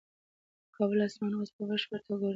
د کابل اسمان اوس په بشپړه توګه وریځ دی.